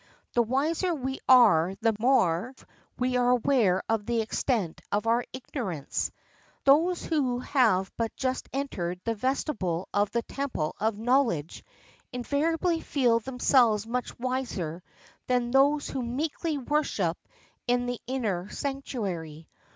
The wiser we are the more we are aware of the extent of our ignorance. Those who have but just entered the vestibule of the temple of knowledge invariably feel themselves much wiser than those who meekly worship in the inner sanctuary.